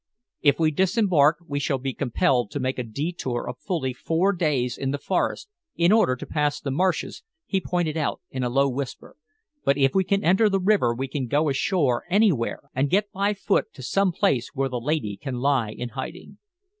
"If we disembark we shall be compelled to make a detour of fully four days in the forest, in order to pass the marshes," he pointed out in a low whisper. "But if we can enter the river we can go ashore anywhere and get by foot to some place where the lady can lie in hiding."